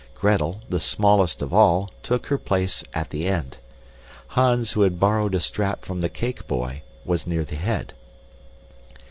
Gretel, the smallest of all, took her place at the end. Hans, who had borrowed a strap from the cake boy, was near the head.